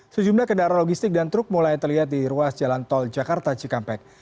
sejumlah kendaraan logistik dan truk mulai terlihat di ruas jalan tol jakarta cikampek